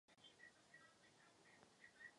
Nachází se zde významné muzeum přírodní historie.